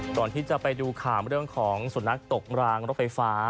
ก่อนที่จะไปดูข่าวเรื่องของสุนัขตกรางรถไฟฟ้า